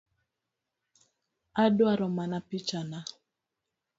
Adwaro mana picha na